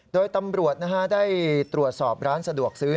โดยตำรวจได้ตรวจสอบร้านสะดวกซื้อ